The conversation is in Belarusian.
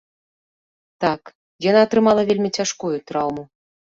Так, яна атрымала вельмі цяжкую траўму.